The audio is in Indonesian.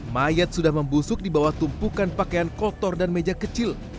mayat sudah membusuk di bawah tumpukan pakaian kotor dan meja kecil